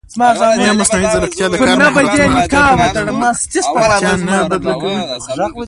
ایا مصنوعي ځیرکتیا د کاري مهارتونو اړتیا نه بدله کوي؟